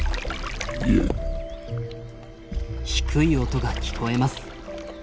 低い音が聞こえます。